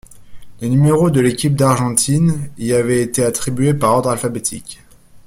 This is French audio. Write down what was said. Les numéros de l'équipe d'Argentine y avait été attribués par ordre alphabétique.